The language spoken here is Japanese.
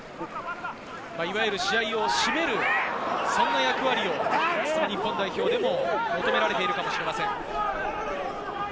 いわゆる試合を締める、そんな役割を日本代表でも求められているかもしれません。